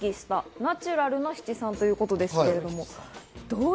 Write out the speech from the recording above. ナチュラルな七三ということです